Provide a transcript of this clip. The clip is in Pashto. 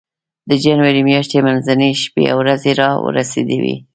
د جنوري میاشتې منځنۍ شپې او ورځې را ورسېدې وې.